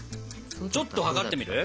ちょっと測ってみる？